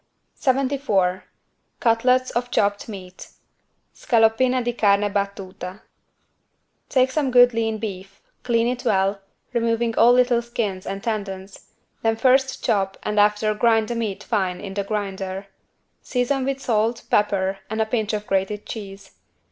74 CUTLETS OF CHOPPED MEAT (Scaloppine di carne battuta) Take some good lean beef, clean it well, removing all little skins and tendons, then first chop and after grind the meat fine in the grinder. Season with salt, pepper and a pinch of grated cheese.